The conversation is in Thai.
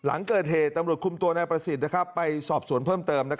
หลังเกิดเหตุตำรวจคุมตัวนายประสิทธิ์ไปสอบสวนเพิ่มเติม